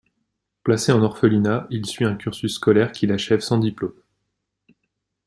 Placé en orphelinat, il suit un cursus scolaire qu'il achève sans diplôme.